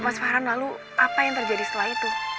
mas fahran lalu apa yang terjadi setelah itu